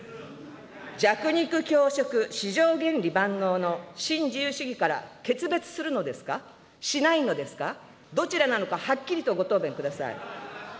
弱肉強食、市場原理万能の新自由主義から決別するのですか、しないのですか、どちらなのか、はっきりとご答弁ください。